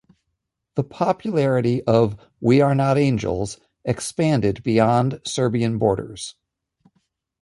The popularity of "We Are Not Angels" expanded beyond Serbian borders.